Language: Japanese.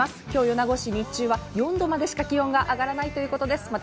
今日、米子市、日中は４度までしか気温が上がらないということです。